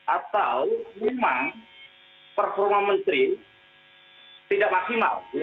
atau memang performa menteri tidak maksimal